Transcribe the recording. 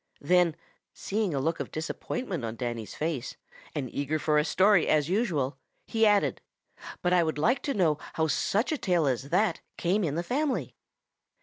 Then, seeing a look of disappointment on Danny's face, and eager for a story as usual, he added: "But I would like to know how such a tail as that came in the family."